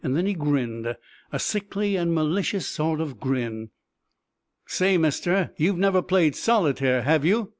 Then he grinned a sickly and malicious sort of grin. "Say, mister, you've never played solitaire, have you?"